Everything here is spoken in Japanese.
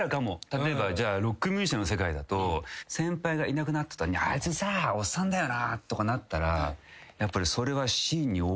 例えばロックミュージシャンの世界だと先輩がいなくなった途端にあいつさおっさんだよなとかなったらやっぱりそれは。